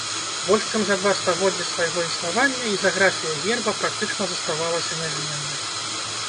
Больш чым за два стагоддзі свайго існавання ізаграфія герба практычна заставалася нязменнай.